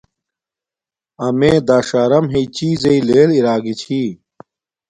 امیے داݽارم ہیݵ چیزݵ لیل اراگی چھی